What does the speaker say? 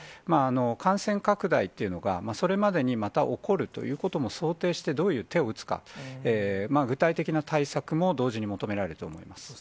感染拡大っていうのが、それまでにまた起こるということも想定して、どういう手を打つか、具体的な対策も同時に求められると思います。